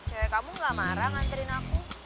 kayak kamu gak marah nganterin aku